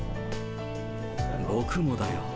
僕もだよ。